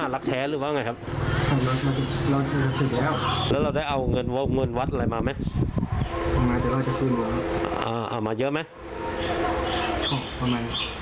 แล้วเราได้เอาเงินเงินวัดอะไรมาไหมเอามาเยอะไหม